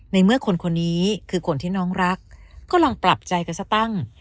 ในเมื่อคนคนนี้คือคนที่น้องรักกำลังปรับใจกันซะตั้ง